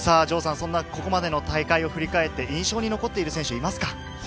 ここまでの大会を振り返って印象に残っている選手はいますか。